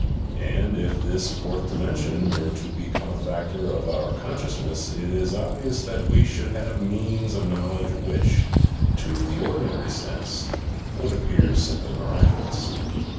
and if this fourth dimension were to become a factor of our consciousness it is obvious that we should have means of knowledge which, to the ordinary sense, would appear simply miraculous.